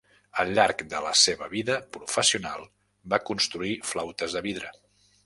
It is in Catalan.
Al llarg de la seva vida professional va construir flautes de vidre.